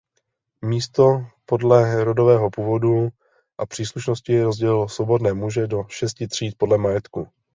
Místo podle rodového původu a příslušnosti rozdělil svobodné muže do šesti tříd podle majetku.